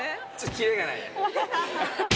キレがないね。